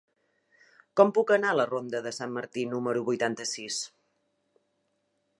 Com puc anar a la ronda de Sant Martí número vuitanta-sis?